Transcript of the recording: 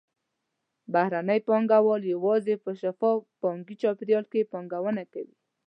بهرني پانګهوال یوازې په شفاف بانکي چاپېریال کې پانګونه کوي.